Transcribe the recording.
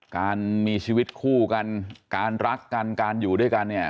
การมีชีวิตคู่กันการรักกันการอยู่ด้วยกันเนี่ย